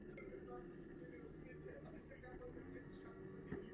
Měla by být tématem diskutovaným na úrovni jednání z Dohá.